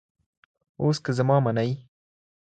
اوس که زما منۍ